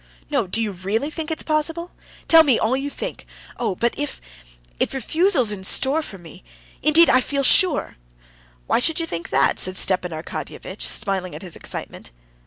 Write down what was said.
"No! do you really think it's possible? No, tell me all you think! Oh, but if ... if refusal's in store for me!... Indeed I feel sure...." "Why should you think that?" said Stepan Arkadyevitch, smiling at his excitement.